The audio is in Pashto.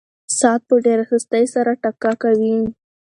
ساعت په ډېره سستۍ سره ټکا کوي.